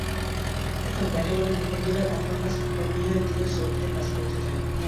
এখন ব্যাটে-বলে মিলে গেলে অন্য কাজ কমিয়ে দিয়ে ছবিটিতে কাজ করতে চাই।